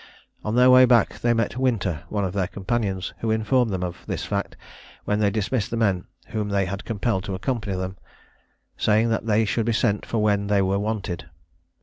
On their way back they met Winter, one of their companions, who informed them of this fact, when they dismissed the men whom they had compelled to accompany them, saying that they should be sent for when they were wanted.